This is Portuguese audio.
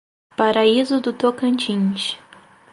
Paraíso do Tocantins